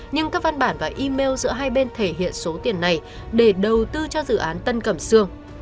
nhưng các văn bản và email giữa hai bên thể hiện số tiền này để đầu tư cho dự án tân cẩm sương